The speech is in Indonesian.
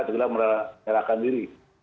ceklah mererahkan diri